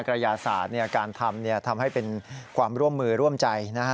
กระยาศาสตร์การทำทำให้เป็นความร่วมมือร่วมใจนะฮะ